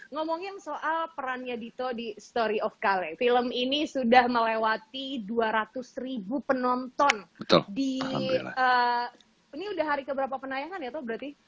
ngomongin soal perannya dito di story of kale film ini sudah melewati dua ratus penonton